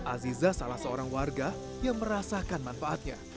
aziza salah seorang warga yang merasakan manfaatnya